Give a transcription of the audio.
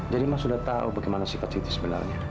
jadi mas sudah tahu bagaimana sifat siti sebenarnya